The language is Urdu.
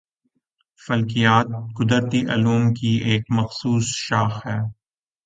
فلکیات قُدرتی علوم کی ایک ایسی مخصُوص شاخ ہے